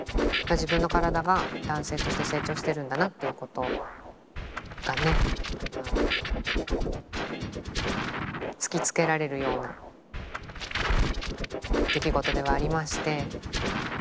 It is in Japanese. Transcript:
自分の体が男性として成長してるんだなっていうことがね突きつけられるような出来事ではありまして。